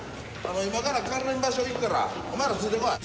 今から関連場所行くからお前らついてこい。